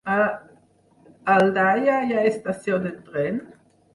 A Aldaia hi ha estació de tren?